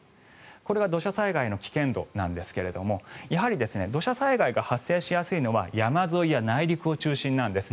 これが土砂災害の危険度なんですがやはり土砂災害が発生しやすいのは山沿いや内陸中心なんです。